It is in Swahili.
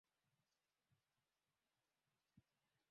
Majengo mengi yapo mpaka sasa yakiwemo makasri